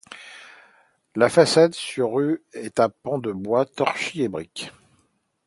La façade sur rue est à pans de bois, torchis et brique.